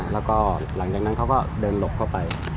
แล้วก็หลังจากนั้นเขาก็เดินหลบเข้าไป